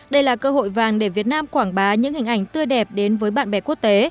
đây là cơ hội vàng để việt nam quảng bá những hình ảnh tươi đẹp đến với bạn bè quốc tế